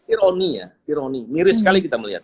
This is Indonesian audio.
ironi ya ironi miris sekali kita melihat